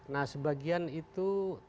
nah sebagian itu